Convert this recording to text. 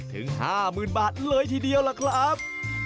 ถึง๕๐๐๐บาทเลยทีเดียวล่ะครับ